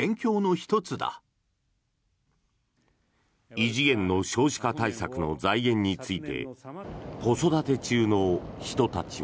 異次元の少子化対策の財源について子育て中の人たちは。